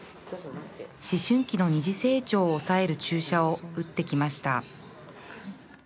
思春期の二次性徴を抑える注射を打ってきました